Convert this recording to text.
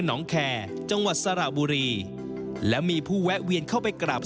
น้องแคร์จังหวัดสระบุรีและมีผู้แวะเวียนเข้าไปกราบ